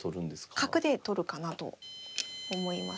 角で取るかなと思います。